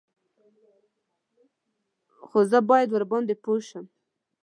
_خو زه بايد ورباندې پوه شم.